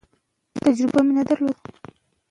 که کاغذ وي نو لیک نه ضایع کیږي.